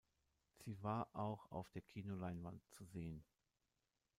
Sie war auch auf der Kinoleinwand zu sehen.